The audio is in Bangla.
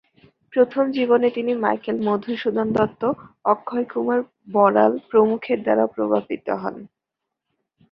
প্রথম জীবনে তিনি মাইকেল মধুসূদন দত্ত, অক্ষয় কুমার বড়াল প্রমুখের দ্বারা প্রভাবিত হন।